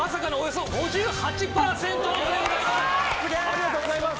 ありがとうございます！